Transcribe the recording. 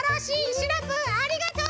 シナプーありがとう！